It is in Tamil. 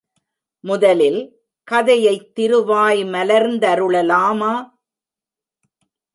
முதலில் கதையைத் திருவாய் மலர்ந்தருளலாமா?